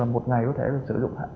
một ngày có thể sử dụng